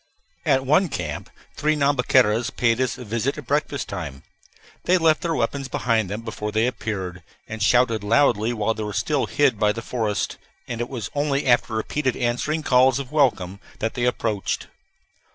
At one camp three Nhambiquaras paid us a visit at breakfast time. They left their weapons behind them before they appeared, and shouted loudly while they were still hid by the forest, and it was only after repeated answering calls of welcome that they approached.